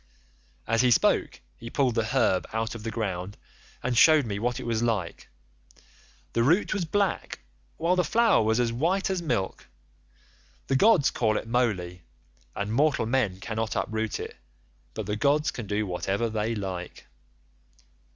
"As he spoke he pulled the herb out of the ground and shewed me what it was like. The root was black, while the flower was as white as milk; the gods call it Moly, and mortal men cannot uproot it, but the gods can do whatever they like.